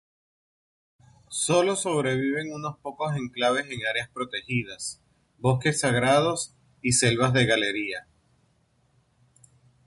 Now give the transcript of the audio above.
Sólo sobreviven unos pocos enclaves en áreas protegidas, bosques sagrados y selvas de galería.